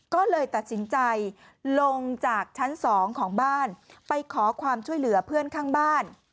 ก็เลยตัดสินใจลงจากชั้น๒ของบ้านไปขอความช่วยเหลือเพื่อนข้างบ้าน